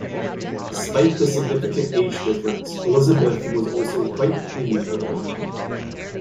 Despite the significant age difference, Elisabeth was also quite pleased with her husband.